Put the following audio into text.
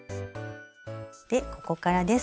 でここからです。